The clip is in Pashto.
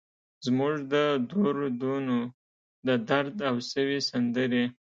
زموږ د دور دونو ، ددرد او سوي سندرې